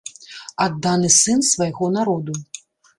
Адданы сын свайго народу.